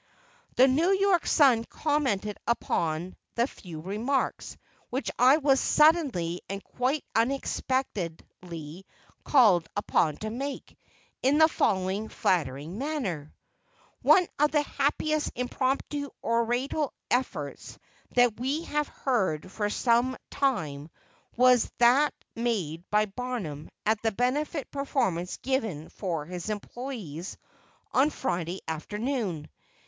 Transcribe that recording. The New York Sun commented upon the few remarks which I was suddenly and quite unexpectedly called upon to make, in the following flattering manner: One of the happiest impromptu oratorial efforts that we have heard for some time, was that made by Barnum at the benefit performance given for his employees on Friday afternoon.